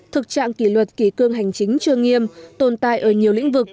thực trạng kỷ luật kỷ cương hành chính chưa nghiêm tồn tại ở nhiều lĩnh vực